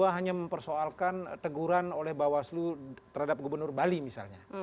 empat ratus dua hanya mempersoalkan teguran oleh bawaslu terhadap gubernur bali misalnya